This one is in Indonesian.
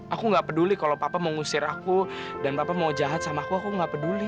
aku nggak peduli kalau papa mau ngusir aku dan papa mau jahat sama aku aku gak peduli